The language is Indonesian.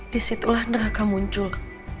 disitulah neraka muncul